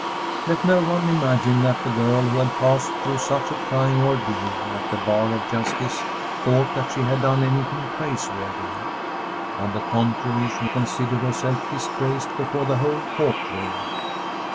II Let no one imagine that the girl who had passed through such a trying ordeal at the bar of justice thought that she had done anything praiseworthy! On the contrary, she considered herself disgraced before the whole court room.